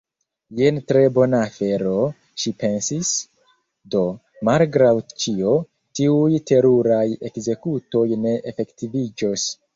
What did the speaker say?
"Jen tre bona afero," ŝi pensis. "Do, malgraŭ ĉio, tiuj teruraj ekzekutoj ne efektiviĝos. »